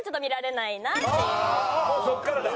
もうそこからだ。